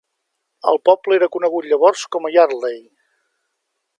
El poble era conegut llavors com a Yardley.